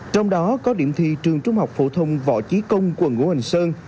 trong đó có điểm thi trường trung học phổ thông võ trí công quận ngũ hành sơn